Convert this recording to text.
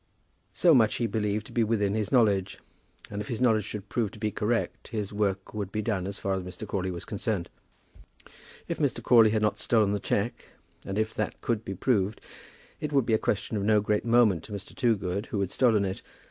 So much he believed to be within his knowledge, and if his knowledge should prove to be correct, his work would be done as far as Mr. Crawley was concerned. If Mr. Crawley had not stolen the cheque, and if that could be proved, it would be a question of no great moment to Mr. Toogood who had stolen it.